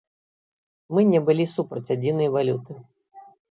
Мы не былі супраць адзінай валюты.